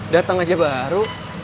dateng aja baru